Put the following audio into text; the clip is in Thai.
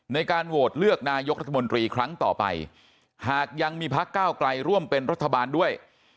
ในการโหวตเลือกนายกรัฐมนตรีครั้งต่อไปหากยังมีพักเก้าไกลร่วมเป็นรัฐบาลด้วย